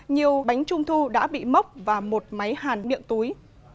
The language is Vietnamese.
nhiều bánh trung thu đã bị mốc và một máy hàn miệng túi